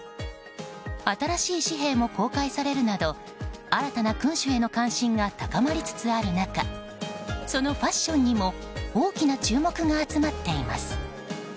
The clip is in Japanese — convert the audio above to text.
新しい紙幣も公開されるなど新たな君主への関心が高まりつつある中そのファッションにも大きな注目が集まっています。